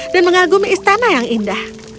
dan mengagumi istana yang indah